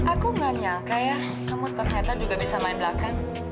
aku gak nyangka ya kamu ternyata juga bisa main belakang